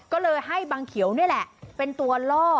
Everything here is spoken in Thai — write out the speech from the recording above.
ก็เลยให้บังเขียวนี่แหละเป็นตัวล่อ